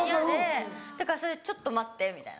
だから「ちょっと待って」みたいな。